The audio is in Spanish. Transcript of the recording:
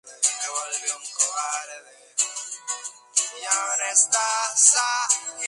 Nacido en el seno de una humilde familia, noveno de once hermanos.